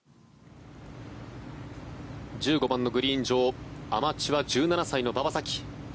１５番のグリーン上アマチュア、１７歳の馬場咲希。